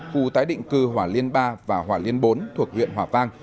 khu tái định cư hòa liên ba và hòa liên bốn thuộc huyện hòa vang